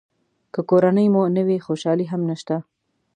که کورنۍ مو نه وي خوشالي هم نشته.